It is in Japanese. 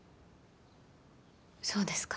そうですか。